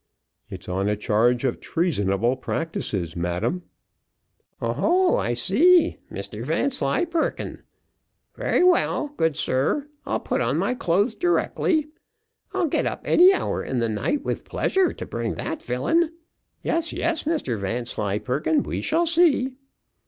"It's on a charge of treasonable practices, madam." "Oh, ho! I see: Mr Vanslyperken. Very well, good sir; I'll put on my clothes directly. I'll get up any hour in the night, with pleasure, to bring that villain . Yes, yes, Mr Vanslyperken, we shall see.